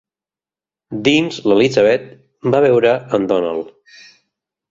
Dins l'Elizabeth va veure en Donald.